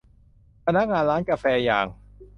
พนักงานร้านกาแฟอย่าง